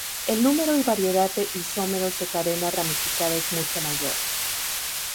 El número y variedad de isómeros de cadena ramificada es mucho mayor.